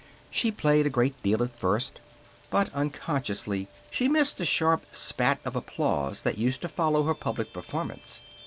She played a great deal at first, but unconsciously she missed the sharp spat of applause that used to follow her public performance.